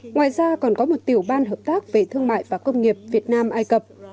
ngoài ra còn có một tiểu ban hợp tác về thương mại và công nghiệp việt nam ai cập